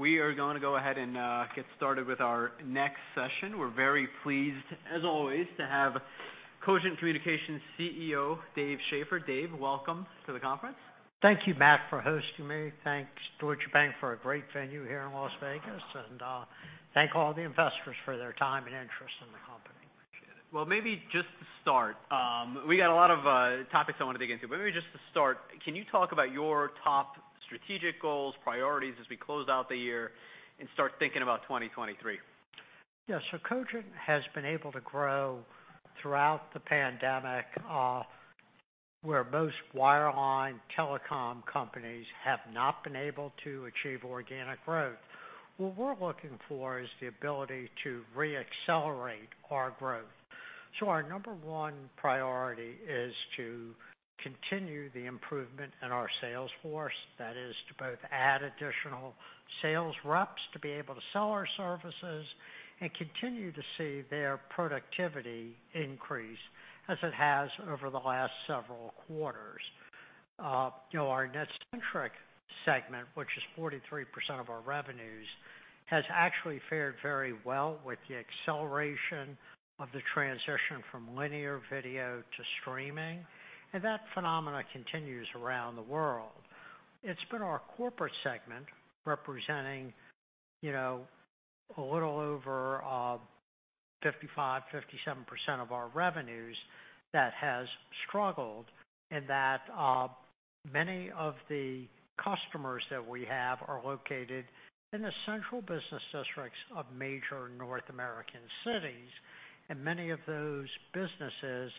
All right. We are gonna go ahead and get started with our next session. We're very pleased, as always to have Cogent Communications CEO, Dave Schaeffer. Dave, welcome to the conference. Thank you, Matt, for hosting me. Thanks Deutsche Bank for a great venue here in Las Vegas, and thank all the investors for their time and interest in the company. Well, maybe just to start, we got a lot of topics I wanna dig into. Maybe just to start, can you talk about your top strategic goals, priorities as we close out the year and start thinking about 2023? Yeah. Cogent has been able to grow throughout the pandemic, where most wireline telecom companies have not been able to achieve organic growth. What we're looking for is the ability to re-accelerate our growth. Our number one priority is to continue the improvement in our sales force. That is, to both add additional sales reps to be able to sell our services and continue to see their productivity increase, as it has over the last several quarters. You know, our NetCentric segment, which is 43% of our revenues, has actually fared very well with the acceleration of the transition from linear video to streaming and that phenomena continues around the world. It's been our corporate segment, representing you know a little over 55-57% of our revenues, that has struggled in that many of the customers that we have are located in the central business districts of major North American cities and many of those businesses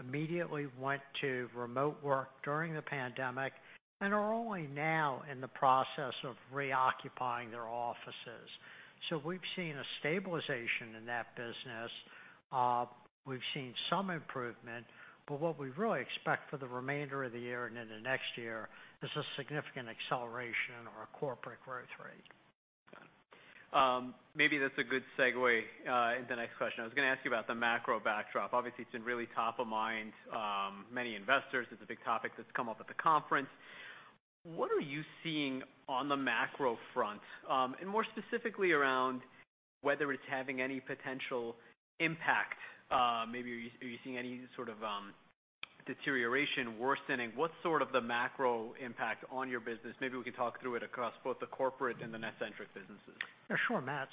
immediately went to remote work during the pandemic and are only now in the process of reoccupying their offices. We've seen a stabilization in that business. We've seen some improvement, but what we really expect for the remainder of the year and into next year is a significant acceleration in our corporate growth rate. Maybe that's a good segue into the next question. I was gonna ask you about the macro backdrop. Obviously, it's been really top of mind. Many investors, it's a big topic that's come up at the conference. What are you seeing on the macro front? More specifically around whether it's having any potential impact. Maybe are you seeing any sort of deterioration worsening? What's sort of the macro impact on your business? Maybe we can talk through it across both the corporate and the NetCentric businesses. Yeah, sure, Matt.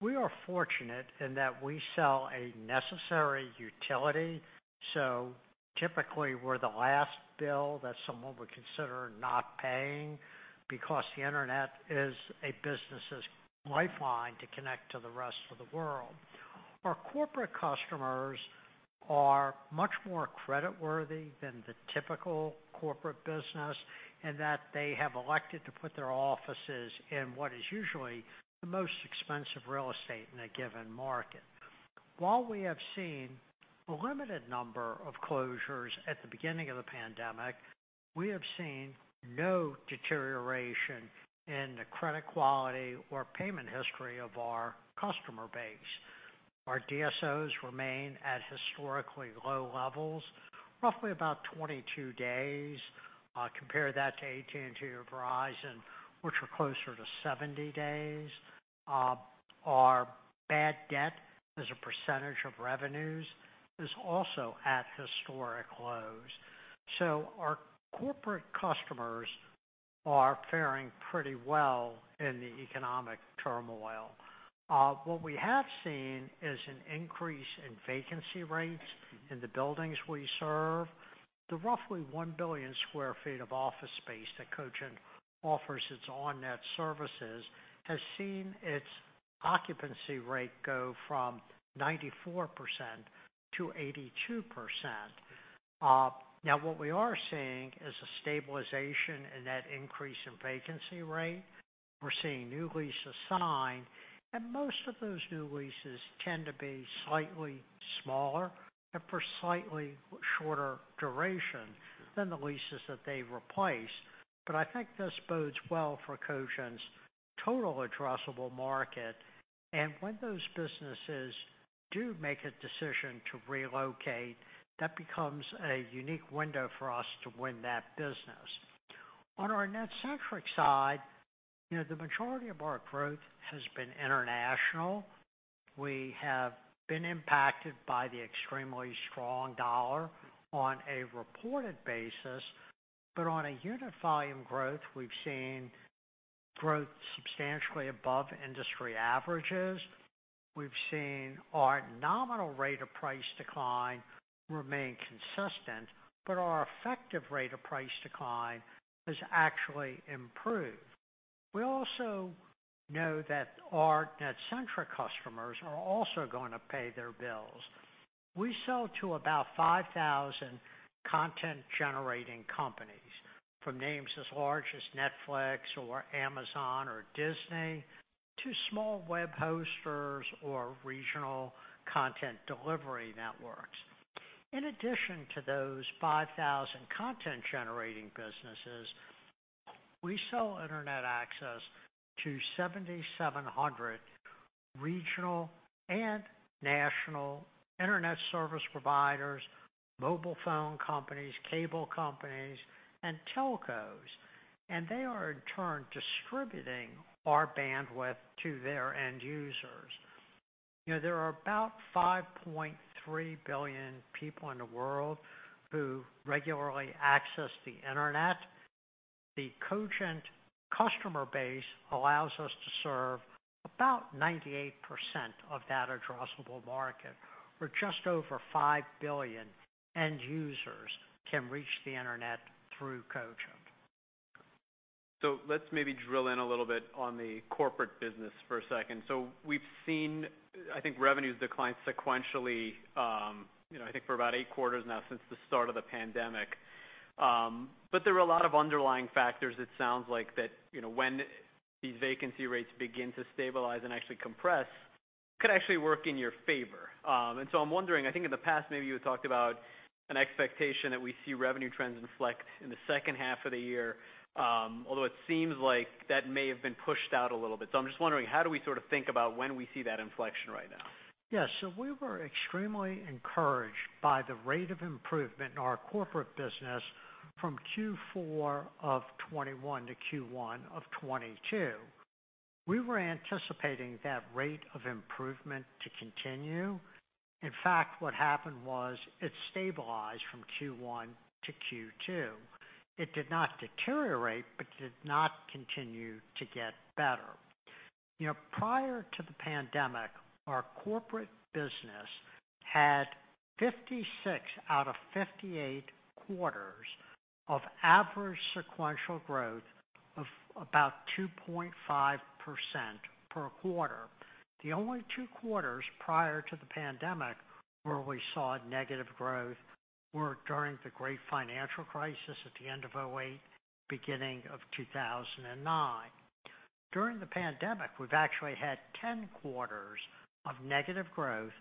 We are fortunate in that we sell a necessary utility. Typically we're the last bill that someone would consider not paying because the internet is a business' lifeline to connect to the rest of the world. Our corporate customers are much more creditworthy than the typical corporate business, in that they have elected to put their offices in what is usually the most expensive real estate in a given market. While we have seen a limited number of closures at the beginning of the pandemic, we have seen no deterioration in the credit quality or payment history of our customer base. Our DSOs remain at historically low levels, roughly about 22 days. Compare that to AT&T or Verizon, which are closer to 70 days. Our bad debt as a percentage of revenues is also at historic lows. Our corporate customers are faring pretty well in the economic turmoil. What we have seen is an increase in vacancy rates in the buildings we serve. The roughly 1 billion square ft of office space that Cogent offers its on net services has seen its occupancy rate go from 94% to 82%. Now what we are seeing is a stabilization in that increase in vacancy rate. We're seeing new leases sign and most of those new leases tend to be slightly smaller and for slightly shorter duration than the leases that they replace. I think this bodes well for Cogent's total addressable market. When those businesses do make a decision to relocate, that becomes a unique window for us to win that business. On our NetCentric side, you know, the majority of our growth has been international. We have been impacted by the extremely strong dollar on a reported basis, but on a unit volume growth, we've seen growth substantially above industry averages. We've seen our nominal rate of price decline remain consistent, but our effective rate of price decline has actually improved. We also know that our NetCentric customers are also gonna pay their bills. We sell to about 5,000 content generating companies, from names as large as Netflix or Amazon or Disney to small web hosters or regional content delivery networks. In addition to those 5,000 content generating businesses, we sell internet access to 7,700 regional and national internet service providers, mobile phone companies, cable companies and telcoms. They are in turn distributing our bandwidth to their end users. You know, there are about 5.3 billion people in the world who regularly access the Internet. The Cogent customer base allows us to serve about 98% of that addressable market, where just over 5 billion end users can reach the Internet through Cogent. Let's maybe drill in a little bit on the corporate business for a second. We've seen, I think, revenues decline sequentially, you know, I think for about eight quarters now since the start of the pandemic. But there were a lot of underlying factors, it sounds like that, you know, when these vacancy rates begin to stabilize and actually compress, could actually work in your favor. I'm wondering, I think in the past, maybe you had talked about an expectation that we see revenue trends inflect in the second half of the year, although it seems like that may have been pushed out a little bit. I'm just wondering, how do we sort of think about when we see that inflection right now? Yeah. We were extremely encouraged by the rate of improvement in our corporate business from Q4 of 2021 to Q1 of 2022. We were anticipating that rate of improvement to continue. In fact, what happened was it stabilized from Q1 to Q2. It did not deteriorate, but did not continue to get better. You know, prior to the pandemic, our corporate business had 56 out of 58 quarters of average sequential growth of about 2.5% quarter. The only two quarters prior to the pandemic where we saw negative growth were during the great financial crisis at the end of 2008, beginning of 2009. During the pandemic, we've actually had ten quarters of negative growth,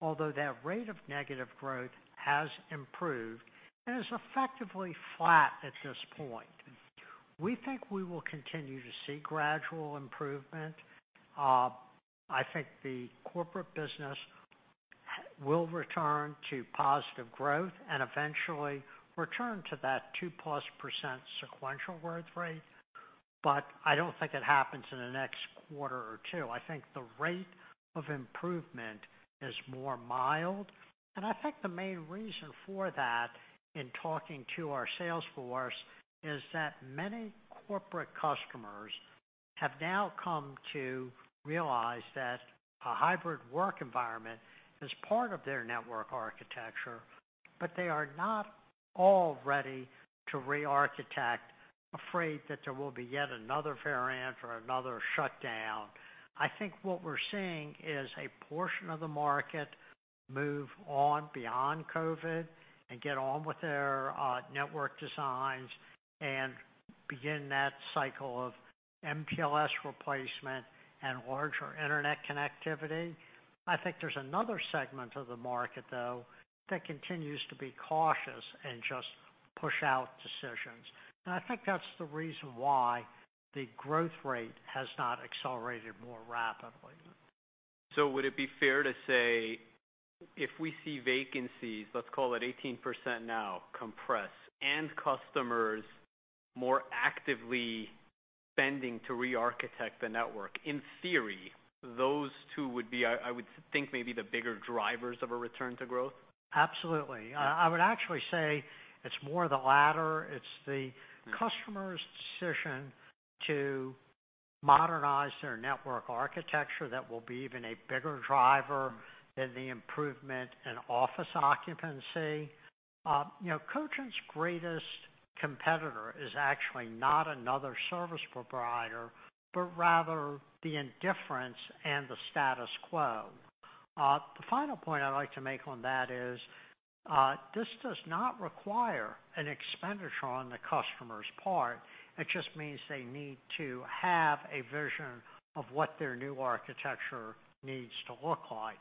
although that rate of negative growth has improved and is effectively flat at this point. We think we will continue to see gradual improvement. I think the corporate business will return to positive growth and eventually return to that 2+% sequential growth rate, but I don't think it happens in the next quarter or two. I think the rate of improvement is more mild and I think the main reason for that, in talking to our sales force, is that many corporate customers have now come to realize that a hybrid work environment is part of their network architecture, but they are not all ready to rearchitect, afraid that there will be yet another variant or another shutdown. I think what we're seeing is a portion of the market move on beyond COVID and get on with their network designs and begin that cycle of MPLS replacement and larger internet connectivity. I think there's another segment of the market, though, that continues to be cautious and just push out decisions. I think that's the reason why the growth rate has not accelerated more rapidly. Would it be fair to say if we see vacancies, let's call it 18% now, compress and customers more actively spending to rearchitect the network, in theory, those two would be, I would think maybe the bigger drivers of a return to growth? Absolutely. I would actually say it's more the latter. It's the customer's decision to modernize their network architecture that will be even a bigger driver than the improvement in office occupancy. You know, Cogent's greatest competitor is actually not another service provider, but rather the indifference and the status quo. The final point I'd like to make on that is, this does not require an expenditure on the customer's part. It just means they need to have a vision of what their new architecture needs to look like.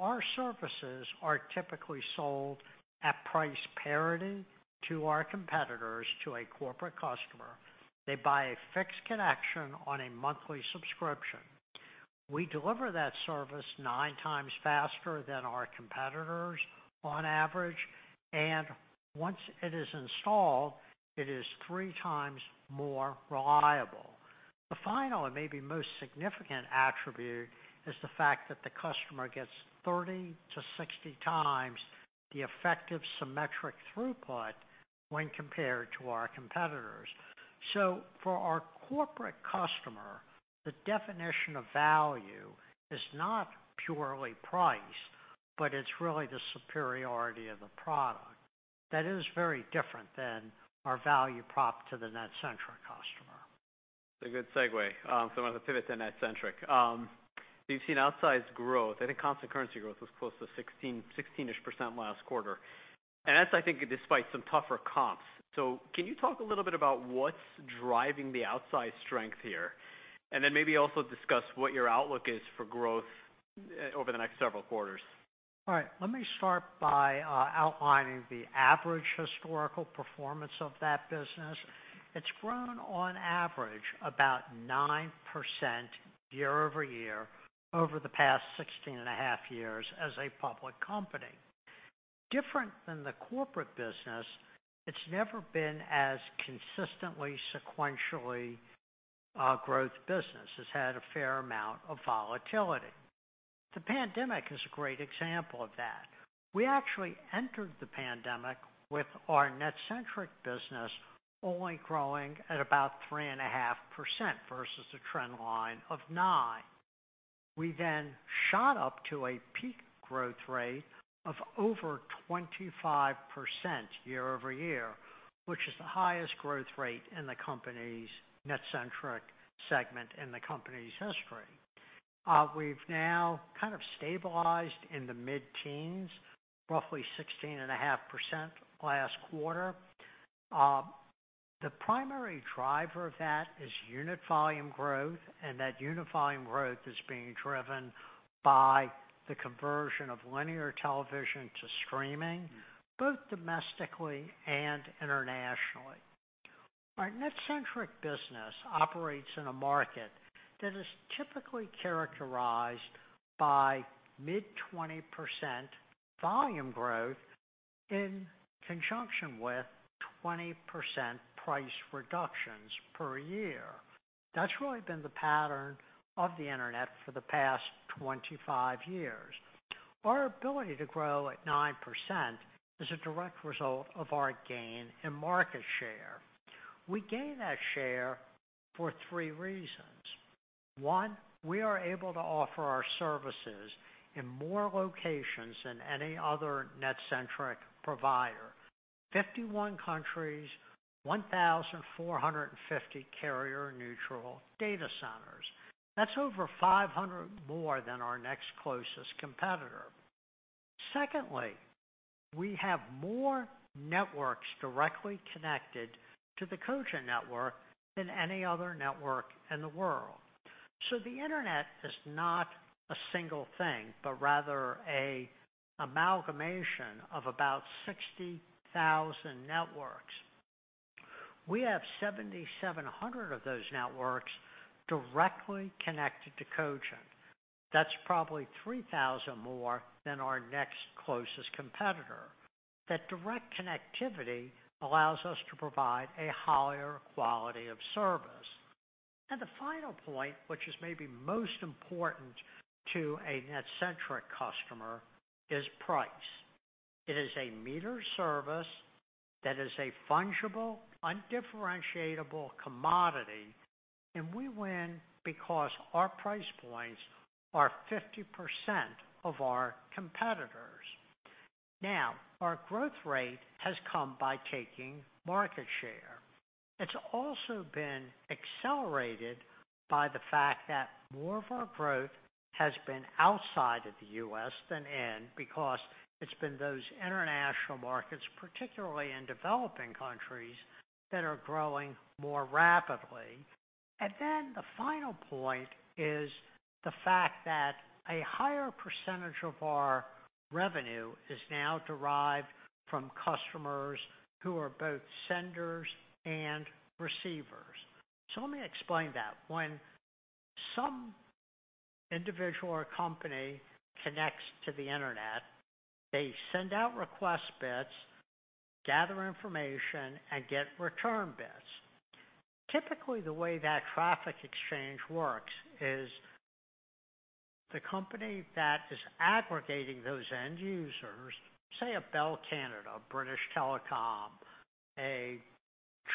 Our services are typically sold at price parity to our competitors, to a corporate customer. They buy a fixed connection on a monthly subscription. We deliver that service 9x faster than our competitors on average and once it is installed, it is 3x more reliable. The final and maybe most significant attribute is the fact that the customer gets 30-60x the effective symmetric throughput when compared to our competitors. For our corporate customer, the definition of value is not purely price, but it's really the superiority of the product. That is very different than our value prop to the NetCentric customer. It's a good segue, so I'm gonna pivot to NetCentric. You've seen outsized growth. I think constant currency growth was close to 16-15% last quarter. That's I think despite some tougher comps. Can you talk a little bit about what's driving the outsized strength here? Then maybe also discuss what your outlook is for growth over the next several quarters. All right. Let me start by outlining the average historical performance of that business. It's grown on average about 9% year-over-year, over the past 16.5 years as a public company. Different than the corporate business, it's never been as consistently, sequentially growth business. It's had a fair amount of volatility. The pandemic is a great example of that. We actually entered the pandemic with our NetCentric business only growing at about 3.5% versus the trend line of nine. We then shot up to a peak growth rate of over 25% year -over- year, which is the highest growth rate in the company's NetCentric segment in the company's history. We've now kind of stabilized in the mid teens, roughly 16.5% last quarter. The primary driver of that is unit volume growth and that unit volume growth is being driven by the conversion of linear television to streaming, both domestically and internationally. Our NetCentric business operates in a market that is typically characterized by mid 20% volume growth in conjunction with 20% price reductions per year. That's really been the pattern of the Internet for the past 25 years. Our ability to grow at 9% is a direct result of our gain in market share. We gain that share for three reasons. One, we are able to offer our services in more locations than any other NetCentric provider. 51 countries, 1,450 carrier-neutral data centers. That's over 500 more than our next closest competitor. Secondly, we have more networks directly connected to the Cogent network than any other network in the world. The Internet is not a single thing, but rather an amalgamation of about 60,000 networks. We have 7,700 of those networks directly connected to Cogent. That's probably 3,000 more than our next closest competitor. That direct connectivity allows us to provide a higher quality of service. The final point, which is maybe most important to a NetCentric customer, is price. It is a metered service that is a fungible, undifferentiated commodity and we win because our price points are 50% of our competitors. Now, our growth rate has come by taking market share. It's also been accelerated by the fact that more of our growth has been outside of the U.S. than in, because it's been those international markets, particularly in developing countries, that are growing more rapidly. The final point is the fact that a higher percentage of our revenue is now derived from customers who are both senders and receivers. Let me explain that. When some individual or company connects to the Internet, they send out request bits, gather information and get return bits. Typically, the way that traffic exchange works is the company that is aggregating those end users, say a Bell Canada, a British Telecom, a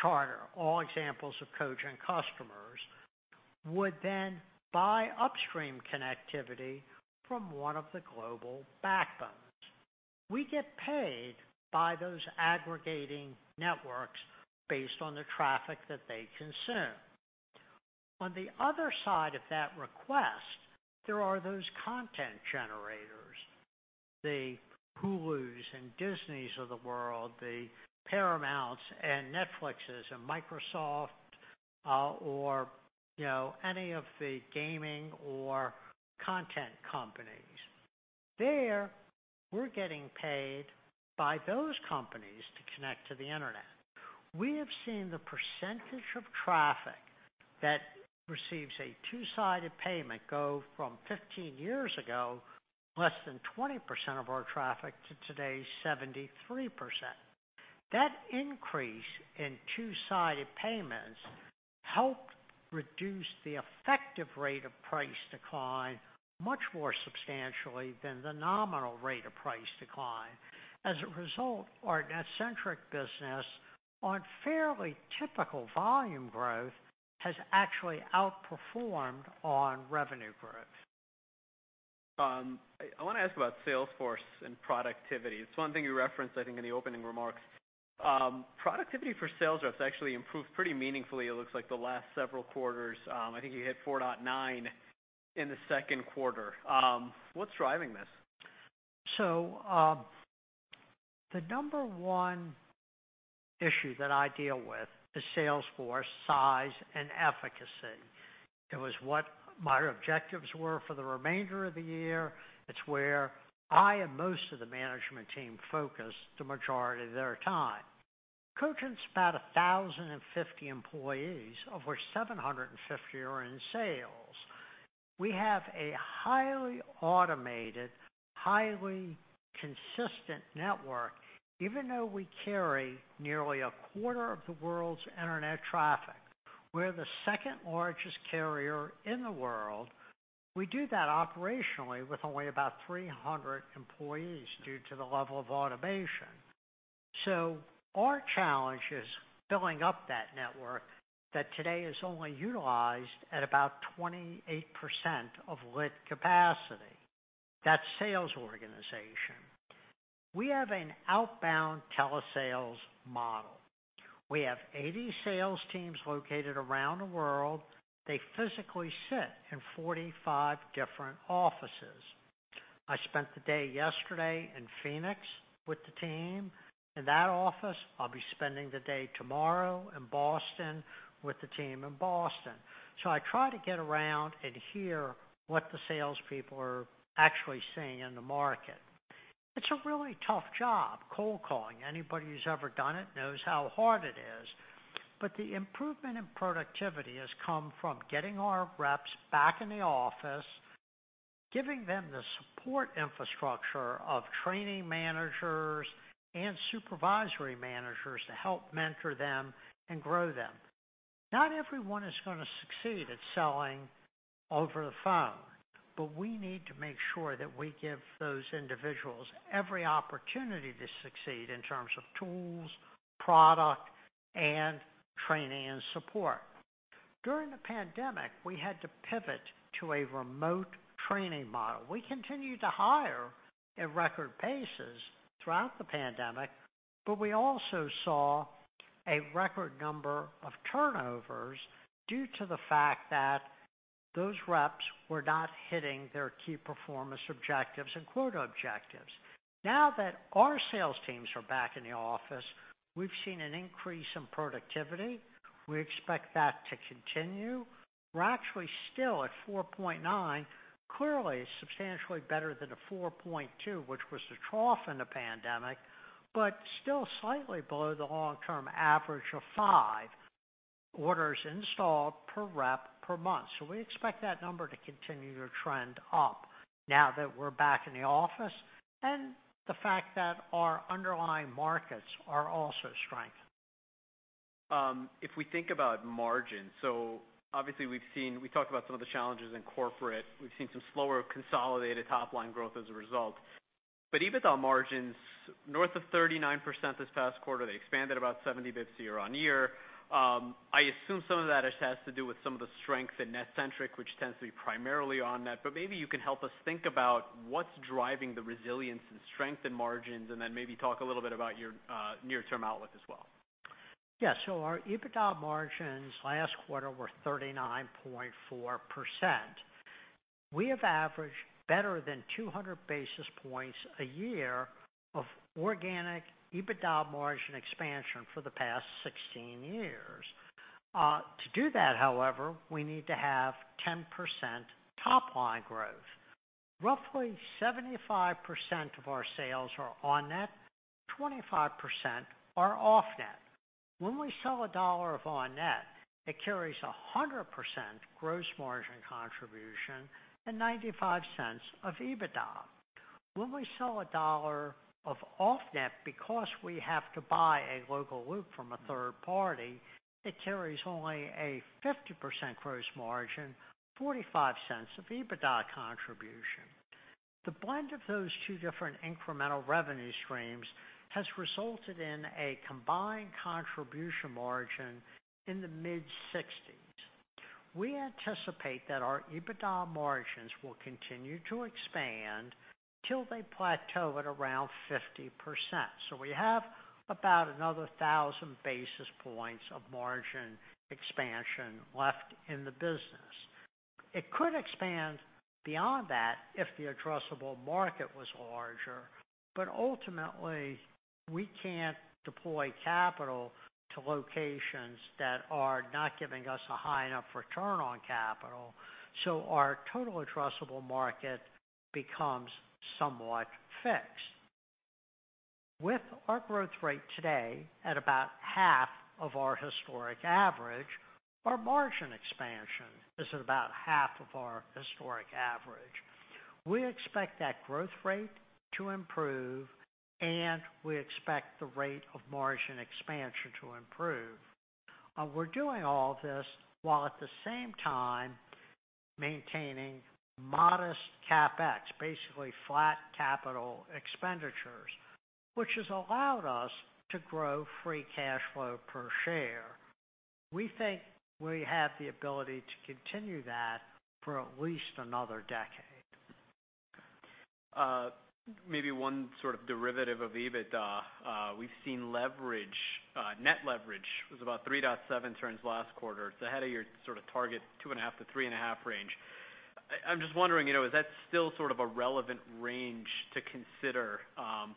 Charter, all examples of Cogent customers, would then buy upstream connectivity from one of the global backbones. We get paid by those aggregating networks based on the traffic that they consume. On the other side of that request, there are those content generators, the Hulu and Disneys of the world, the Paramount and Netflixes and Microsoft or you know, any of the gaming or content companies. There, we're getting paid by those companies to connect to the Internet. We have seen the percentage of traffic that receives a two sided payment go from 15 years ago, less than 20% of our traffic, to today's 73%. That increase in two sided payments help reduce the effective rate of price decline much more substantially than the nominal rate of price decline. As a result, our NetCentric business, on fairly typical volume growth, has actually outperformed on revenue growth. I want to ask about sales force and productivity. It's one thing you referenced, I think, in the opening remarks. Productivity for sales reps actually improved pretty meaningfully, it looks like, the last several quarters. I think you hit 4.9 in the second quarter. What's driving this? The number one issue that I deal with is sales force size and efficacy. It was what my objectives were for the remainder of the year. It's where I and most of the management team focus the majority of their time. Cogent's about 1,050 employees, of which 750 are in sales. We have a highly automated, highly consistent network. Even though we carry nearly a quarter of the world's internet traffic, we're the second largest carrier in the world. We do that operationally with only about 300 employees due to the level of automation. Our challenge is filling up that network that today is only utilized at about 28% of lit capacity. That's sales organization. We have an outbound telesales model. We have 80 sales teams located around the world. They physically sit in 45 different offices. I spent the day yesterday in Phoenix with the team in that office. I'll be spending the day tomorrow in Boston with the team in Boston. I try to get around and hear what the salespeople are actually seeing in the market. It's a really tough job, cold calling. Anybody who's ever done it knows how hard it is. The improvement in productivity has come from getting our reps back in the office, giving them the support infrastructure of training managers and supervisory managers to help mentor them and grow them. Not everyone is gonna succeed at selling over the phone, but we need to make sure that we give those individuals every opportunity to succeed in terms of tools, product and training and support. During the pandemic, we had to pivot to a remote training model. We continued to hire at record paces throughout the pandemic, but we also saw a record number of turn overs due to the fact that those reps were not hitting their key performance objectives and quota objectives. Now that our sales teams are back in the office, we've seen an increase in productivity. We expect that to continue. We're actually still at 4.9. Clearly, substantially better than a 4.2, which was the trough in the pandemic, but still slightly below the long term average of five orders installed per rep per month. We expect that number to continue to trend up now that we're back in the office, and the fact that our underlying markets are also strengthened. If we think about margin, so obviously we talked about some of the challenges in corporate. We've seen some slower consolidated top line growth as a result. EBITDA margins north of 39% this past quarter, they expanded about 70 basis points year-over-year. I assume some of that has to do with some of the strength in NetCentric, which tends to be primarily on net. Maybe you can help us think about what's driving the resilience and strength in margins, and then maybe talk a little bit about your near-term outlook as well. Yeah. Our EBITDA margins last quarter were 39.4%. We have averaged better than 200 basis points a year of organic EBITDA margin expansion for the past 16 years. To do that, however, we need to have 10% top line growth. Roughly 75% of our sales are on net, 25% are off net. When we sell a $1 of on net, it carries a 100% gross margin contribution and $0.95 of EBITDA. When we sell a $1 of off net, because we have to buy a local loop from a third party, it carries only a 50% gross margin, $0.45 of EBITDA contribution. The blend of those two different incremental revenue streams has resulted in a combined contribution margin in the mid 60s. We anticipate that our EBITDA margins will continue to expand till they plateau at around 50%. We have about another 1000 basis points of margin expansion left in the business. It could expand beyond that if the addressable market was larger, but ultimately, we can't deploy capital to locations that are not giving us a high enough return on capital, so our total addressable market becomes somewhat fixed. With our growth rate today at about half of our historic average, our margin expansion is at about half of our historic average. We expect that growth rate to improve and we expect the rate of margin expansion to improve. We're doing all this while at the same time maintaining modest CapEx, basically flat capital expenditures, which has allowed us to grow free cash flow per share. We think we have the ability to continue that for at least another decade. Maybe one sort of derivative of EBITDA, we've seen leverage, net leverage was about 3.37 turns last quarter. It's ahead of your sort of target 2.5-3.5 range. I'm just wondering, you know, is that still sort of a relevant range to consider,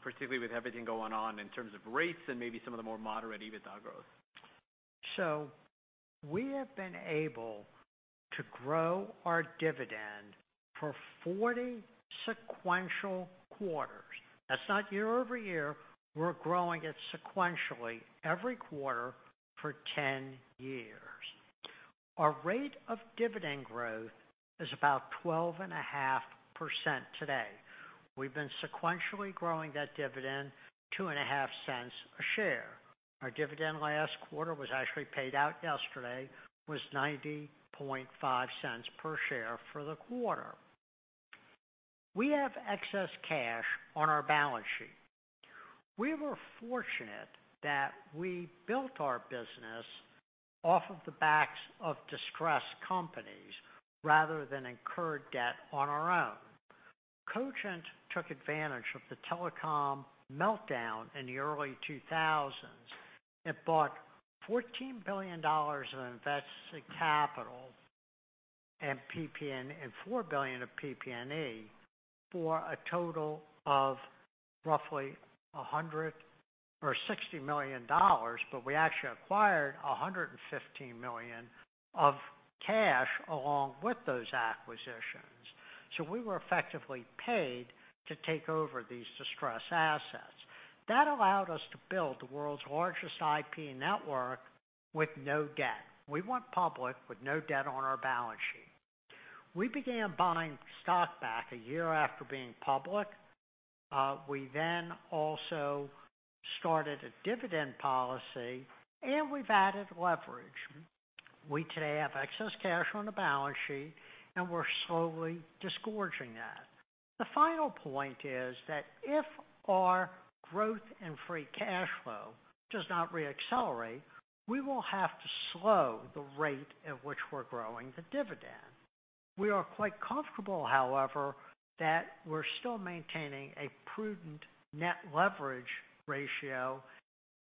particularly with everything going on in terms of rates and maybe some of the more moderate EBITDA growth? We have been able to grow our dividend for 40 sequential quarters. That's not year-over-year. We're growing it sequentially every quarter for ten years. Our rate of dividend growth is about 12.5% today. We've been sequentially growing that dividend $0.025 a share. Our dividend last quarter was actually paid out yesterday, was $0.905 per share for the quarter. We have excess cash on our balance sheet. We were fortunate that we built our business off of the backs of distressed companies rather than incurred debt on our own. Cogent took advantage of the telecom meltdown in the early 2000s. It bought $14 billion of invested capital and PP&E and $4 billion of PP&E for a total of roughly a hundred. for $60 million, but we actually acquired $115 million of cash along with those acquisitions. We were effectively paid to take over these distressed assets. That allowed us to build the world's largest IP network with no debt. We went public with no debt on our balance sheet. We began buying stock back a year after being public. We also started a dividend policy and we've added leverage. We today have excess cash on the balance sheet and we're slowly disgorging that. The final point is that if our growth and free cash flow does not re-accelerate, we will have to slow the rate at which we're growing the dividend. We are quite comfortable, however, that we're still maintaining a prudent net leverage ratio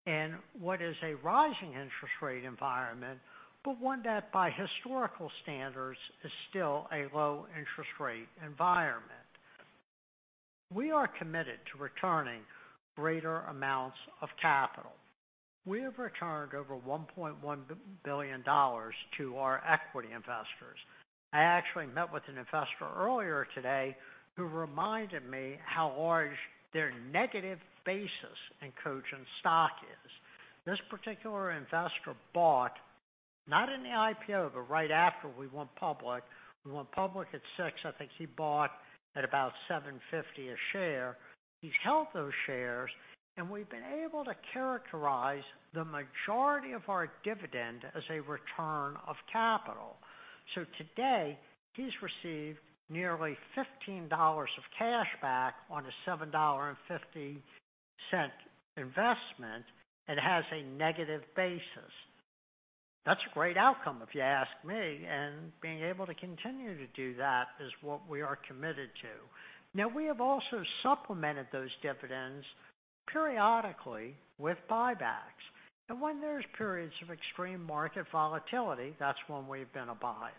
in what is a rising interest rate environment, but one that, by historical standards, is still a low interest rate environment. We are committed to returning greater amounts of capital. We have returned over $1.1 billion to our equity investors. I actually met with an investor earlier today who reminded me how large their negative basis in Cogent stock is. This particular investor bought, not in the IPO, but right after we went public. We went public at $6. I think he bought at about $7.50 a share. He's held those shares, and we've been able to characterize the majority of our dividend as a return of capital. Today, he's received nearly $15 of cash back on a $7.50 investment and has a negative basis. That's a great outcome if you ask me, and being able to continue to do that is what we are committed to. Now, we have also supplemented those dividends periodically with buybacks. When there's periods of extreme market volatility, that's when we've been a buyer.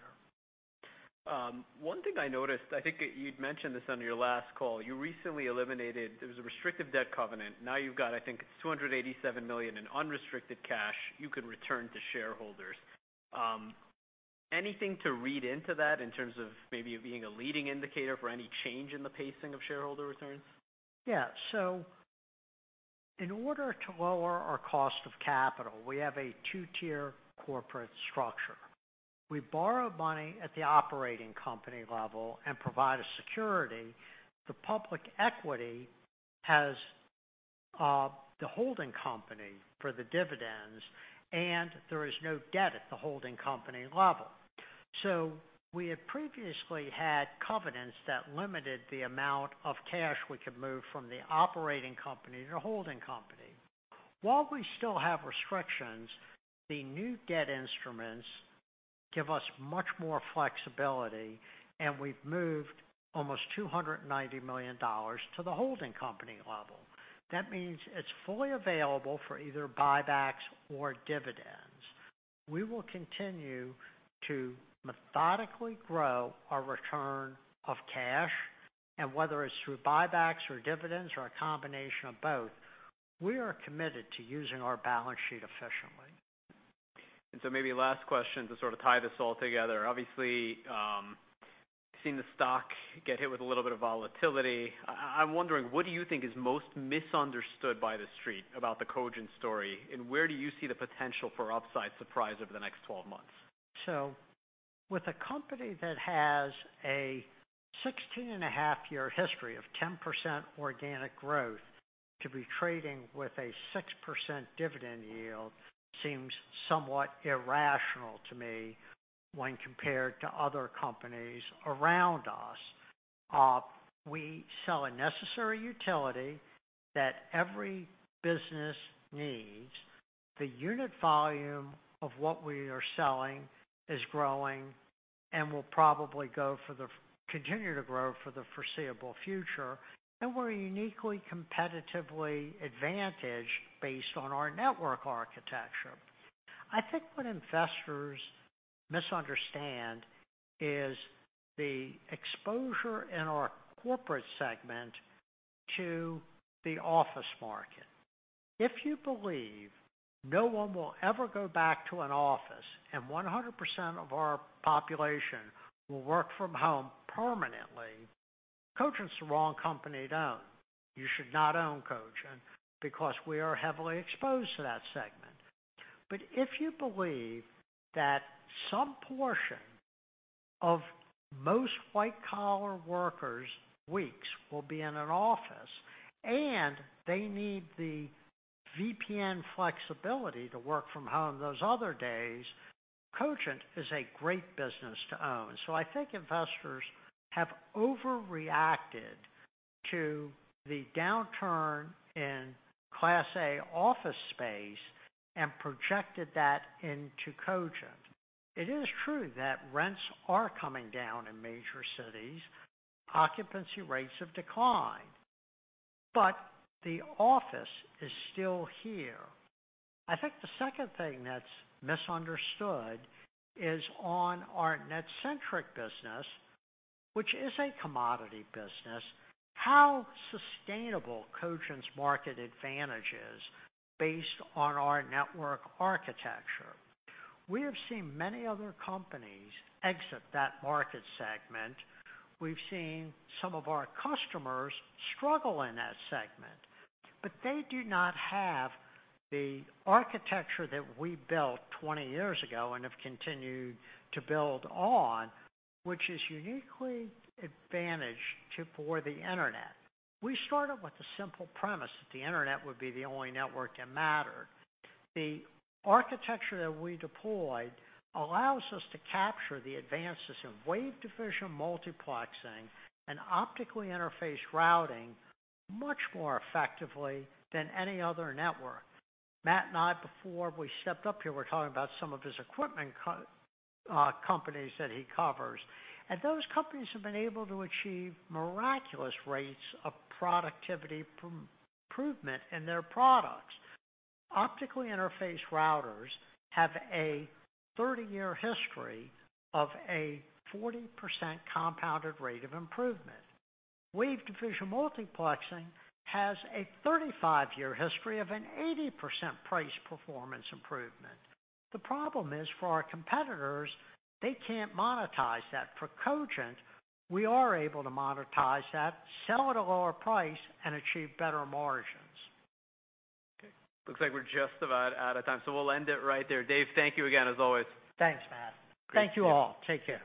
One thing I noticed, I think that you'd mentioned this on your last call, you recently eliminated. There was a restrictive debt covenant. Now you've got, I think, it's $287 million in unrestricted cash you can return to shareholders. Anything to read into that in terms of maybe it being a leading indicator for any change in the pacing of shareholder returns? In order to lower our cost of capital, we have a two tier corporate structure. We borrow money at the operating company level and provide a security. The public equity has the holding company for the dividends and there is no debt at the holding company level. We had previously had covenants that limited the amount of cash we could move from the operating company to holding company. While we still have restrictions, the new debt instruments give us much more flexibility, and we've moved almost $290 million to the holding company level. That means it's fully available for either buybacks or dividends. We will continue to methodically grow our return of cash and whether it's through buybacks or dividends or a combination of both, we are committed to using our balance sheet efficiently. Maybe last question to sort of tie this all together. Obviously, seeing the stock get hit with a little bit of volatility. I'm wondering, what do you think is most misunderstood by the Street about the Cogent story, and where do you see the potential for upside surprise over the next 12 months? With a company that has a 16.5 year history of 10% organic growth to be trading with a 6% dividend yield seems somewhat irrational to me when compared to other companies around us. We sell a necessary utility that every business needs. The unit volume of what we are selling is growing and will probably continue to grow for the foreseeable future. We're uniquely competitively advantaged based on our network architecture. I think what investors misunderstand is the exposure in our corporate segment to the office market. If you believe no one will ever go back to an office and 100% of our population will work from home permanently, Cogent's the wrong company to own. You should not own Cogent because we are heavily exposed to that segment. If you believe that some portion of most white collar workers weeks will be in an office and they need the VPN flexibility to work from home those other days, Cogent is a great business to own. I think investors have over reacted to the downturn in Class A office space and projected that into Cogent. It is true that rents are coming down in major cities. Occupancy rates have declined, but the office is still here. I think the second thing that's misunderstood is on our NetCentric business, which is a commodity business, how sustainable Cogent's market advantage is based on our network architecture. We have seen many other companies exit that market segment. We've seen some of our customers struggle in that segment, but they do not have the architecture that we built 20 years ago and have continued to build on, which is uniquely advantaged for the Internet. We started with the simple premise that the Internet would be the only network that mattered. The architecture that we deployed allows us to capture the advances in wave division multiplexing and optically interfaced routing much more effectively than any other network. Matt and I, before we stepped up here, were talking about some of his equipment companies that he covers and those companies have been able to achieve miraculous rates of productivity improvement in their products. Optically interfaced routers have a 30 year history of a 40% compounded rate of improvement. Wave division multiplexing has a 35 year history of an 80% price performance improvement. The problem is for our competitors, they can't monetize that. For Cogent, we are able to monetize that, sell at a lower price and achieve better margins. Okay, looks like we're just about out of time, so we'll end it right there. Dave, thank you again as always. Thanks, Matt. Thank you all. Take care.